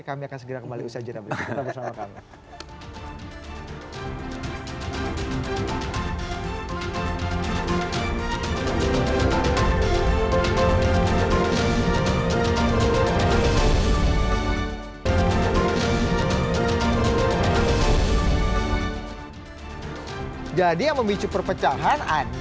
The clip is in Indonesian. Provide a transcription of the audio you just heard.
kami akan segera kembali usaha jeram